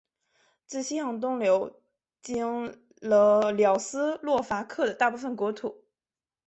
自西向东流经了斯洛伐克的大部分国土。